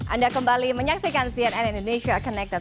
anda kembali menyaksikan cnn indonesia connected